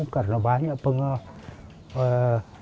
karena banyak penghormat